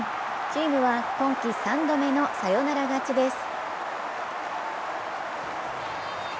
チームは今季３度目のサヨナラ勝ちです。